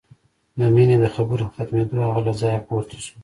د مينې د خبرو په ختمېدو هغه له ځايه پورته شو.